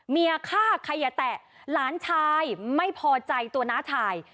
เมียค่ะใครอย่าแตะหลานชายไม่พอใจตัวน้ำชาย